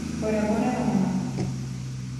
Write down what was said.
Por agora nada máis.